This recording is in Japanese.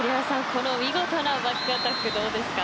この見事なバックアタックどうですか。